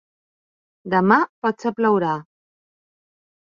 Demà potser plourà.